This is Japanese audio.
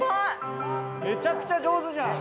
めちゃくちゃ上手じゃん。